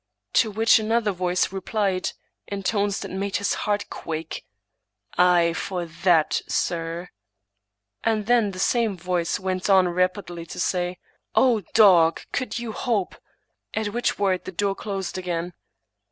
" to which another voice replied, in tones that made his heart quake, " Aye, for that, sir." And then the same voice went on rapidly to say, " O dog ! could you hope "— at which word the door closed again.